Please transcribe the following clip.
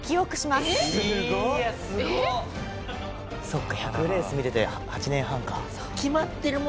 そっか１００レース見てて８年半か。